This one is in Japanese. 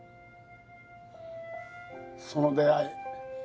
その出会い